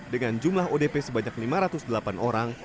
dengan jumlah odp sebanyak lima ratus delapan orang